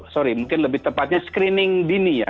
sorry mungkin lebih tepatnya screening dini ya